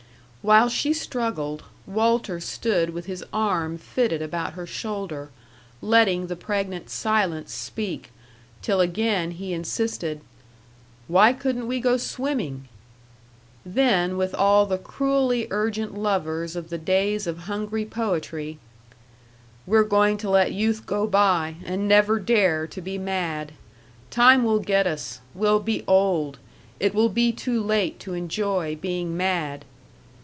While she struggled, Walter stood with his arm fitted about her shoulder, letting the pregnant silence speak, till again he insisted: "Why couldn't we go swimming?" Then, with all the cruelly urgent lovers of the days of hungry poetry: "We're going to let youth go by and never dare to be mad. Time will get us we'll be old it will be too late to enjoy being mad."